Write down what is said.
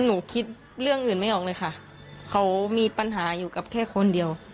หนูคิดเรื่องอื่นไม่ออกเลยค่ะเขามีปัญหาอยู่กับแค่คนเดียว